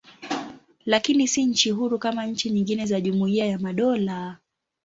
Lakini si nchi huru kama nchi nyingine za Jumuiya ya Madola.